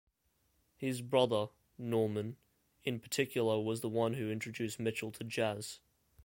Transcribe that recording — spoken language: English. His brother, Norman, in particular was the one who introduced Mitchell to jazz.